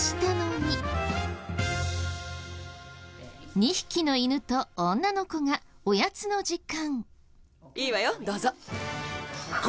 ２匹の犬と女の子がおやつの時間。